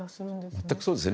全くそうですね。